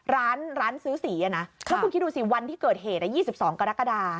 ร้านร้านซื้อสีนะแล้วคุณคิดดูสิวันที่เกิดเหตุ๒๒กรกฎา